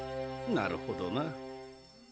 なるほどな。